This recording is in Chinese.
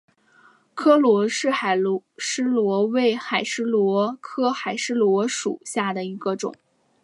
柯罗氏海蛳螺为海蛳螺科海蛳螺属下的一个种。